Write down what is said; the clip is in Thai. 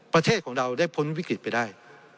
ประเทศของเราได้พ้นวิกฤตไปได้